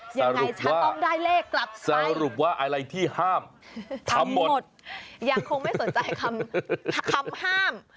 สรรพว่าสรรพว่าอะไรที่ห้ามทำหมดก็คงนี้แหละ๔๐๐๐๐